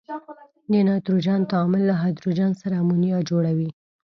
د نایتروجن تعامل له هایدروجن سره امونیا جوړوي.